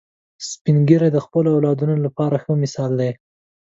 سپین ږیری د خپلو اولادونو لپاره ښه مثال دي